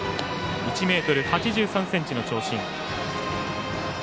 １ｍ８３ｃｍの長身。